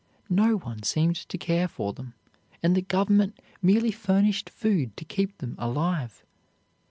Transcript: No one seemed to care for them, and the Government merely furnished food to keep them alive.